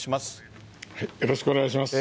よろしくお願いします。